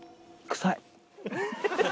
臭い？